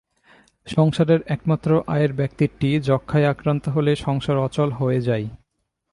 সংসারের একমাত্র আয়ের ব্যক্তিটি যক্ষ্মায় আক্রান্ত হলে সংসার অচল হয়ে যায়।